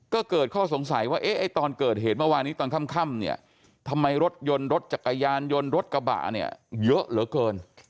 ก็เกิดข้อสงสัยว่าตอนเกิดเหตุเมื่อวานนี้ตอนค่ำเนี่ยทำไมรถยนต์รถจักรยานยนต์รถกระบะเนี่ยเยอะเหลือเกิน